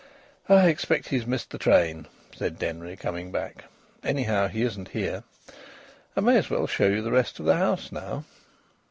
"I expect he's missed the train," said Denry, coming back. "Anyhow, he isn't here. I may as well show you the rest of the house now."